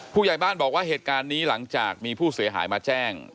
ผู้ใหญ่บ้านบอกว่าเหตุการณ์นี้หลังจากมีผู้เสียหายมาแจ้ง